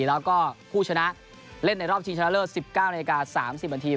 แล้วก็ผู้ชนะเล่นในรอบชิงชนะเลิศ๑๙นาที๓๐นาที